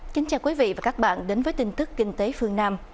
kính chào quý vị và các bạn đến với tin tức kinh tế phương nam